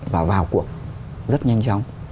và vào cuộc rất nhanh chóng